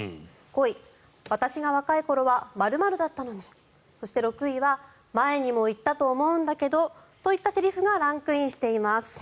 ５位私が若い頃は○○だったのにそして６位は前にも言ったと思うんだけど？といったセリフがランクインしています。